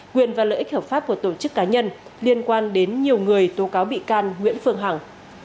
quyền và lợi ích hợp pháp của tổ chức cá nhân liên quan đến nhiều người tố cáo bị can nguyễn phương hằng